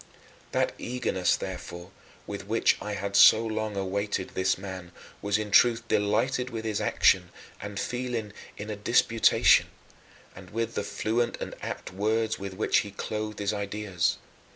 11. That eagerness, therefore, with which I had so long awaited this man, was in truth delighted with his action and feeling in a disputation, and with the fluent and apt words with which he clothed his ideas.